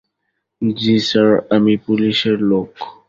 জ্বি স্যার, আমি পুলিশের লোক।